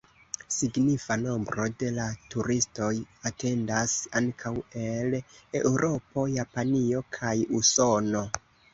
Signifa nombro de la turistoj atendas ankaŭ el Eŭropo, Japanio kaj Usono.